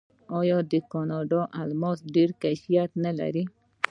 آیا د کاناډا الماس ډیر کیفیت نلري؟